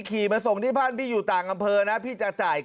ขี่มาส่งที่บ้านพี่อยู่ต่างอำเภอนะพี่จะจ่าย